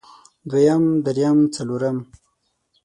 دويم درېيم څلورم